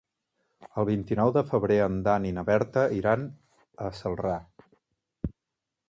El vint-i-nou de febrer en Dan i na Berta iran a Celrà.